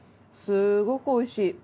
すごくおいしい。